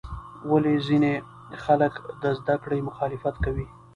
ولې ځینې خلک د زده کړې مخالفت کوي؟